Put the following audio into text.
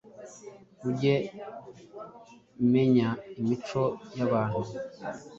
uge Menya imico y’abantu